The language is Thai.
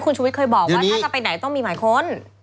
คุณชุวิตเคยบอกว่าถ้าจะไปไหนต้องมีหมายค้น